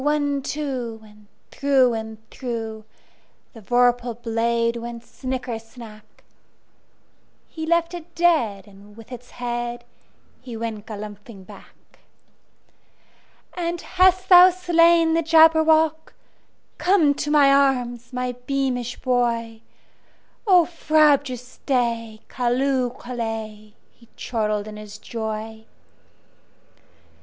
One, two! And through and throughThe vorpal blade went snicker snack! He left it dead, and with its headHe went galumphing back."And hast thou slain the Jabberwock? Come to my arms, my beamish boy!O frabjous day! Callooh! Callay!"He chortled in his joy.